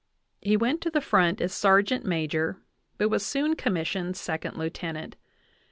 He went to the front as sergeant major, but was soon commissioned sec ond lieutenant.